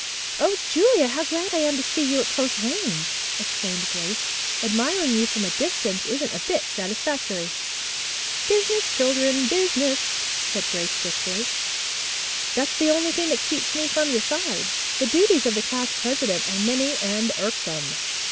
"O Julia, how glad I am to see you at close range!" exclaimed Grace. "Admiring you from a distance isn't a bit satisfactory." "Business, children, business," said Julia briskly. "That's the only thing that keeps me from your side. The duties of the class president are many and irksome.